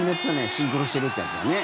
シンクロしてるってやつだね。